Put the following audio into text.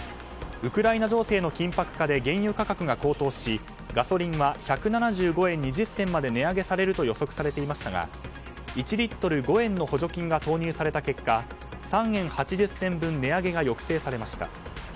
ウクライナ情勢の緊迫化で原油価格が高騰しガソリンは１７５円２０銭まで値上げされると予測されていましたが１リットル５円の補助金が投入された結果、３円８０銭分値上げが抑制されました。